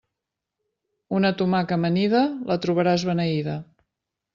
Una tomaca amanida, la trobaràs beneïda.